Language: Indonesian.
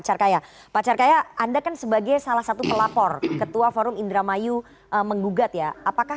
carkaya pak carkaya anda kan sebagai salah satu pelapor ketua forum indramayu menggugat ya apakah